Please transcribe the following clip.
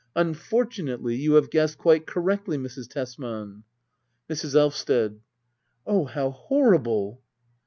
] Unfortu nately you have guessed quite correctly, Mrs. Tesman. Mrs, Elvsted. Oh, how horrible